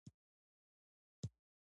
پخلنځی او آشپزخانه دواړه کارول کېږي.